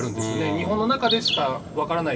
日本の中でしか分からない、